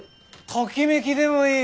ときめきでもいい！